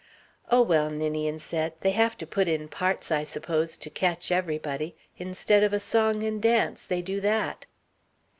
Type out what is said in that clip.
"Oh, well," Ninian said, "they have to put in parts, I suppose, to catch everybody. Instead of a song and dance, they do that."